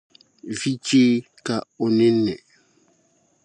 Vi chɛɛ ka o ninni.